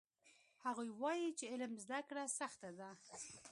هغوی وایي چې علم زده کړه سخته ده